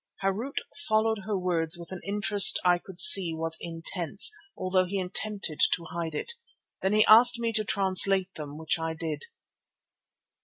Harût followed her words with an interest that I could see was intense, although he attempted to hide it. Then he asked me to translate them, which I did.